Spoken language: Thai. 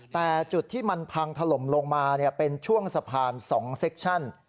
แต่จุดที่มันพังถล่มลงมาเป็นช่วงสะพาน๒เซ็กชั่น